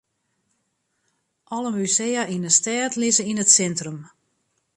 Alle musea yn 'e stêd lizze yn it sintrum.